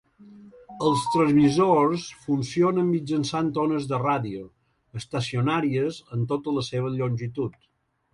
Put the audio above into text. Els transmissors funcionen mitjançant ones de ràdio estacionàries en tota la seva longitud.